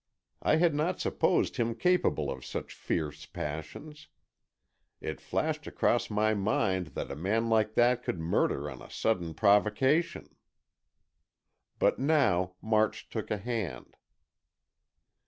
I had not supposed him capable of such fierce passions. It flashed across my mind that a man like that could murder on a sudden provocation. But now March took a hand.